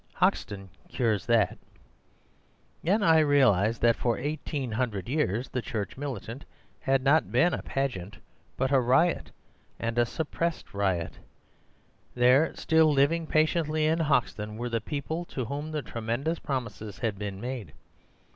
Hoxton cures that. Then I realized that for eighteen hundred years the Church Militant had not been a pageant, but a riot—and a suppressed riot. There, still living patiently in Hoxton, were the people to whom the tremendous promises had been made.